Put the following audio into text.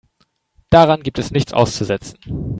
Daran gibt es nichts auszusetzen.